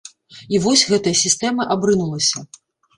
І вось, гэтая сістэма абрынулася.